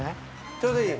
ちょうどいい？